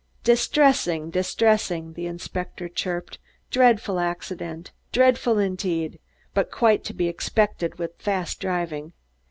"Distressing, distressing," the inspector chirped, "dreadful accident, dreadful indeed, but quite to be expected with fast driving.